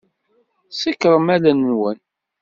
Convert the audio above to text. Ṣekkṛem allen-nwen.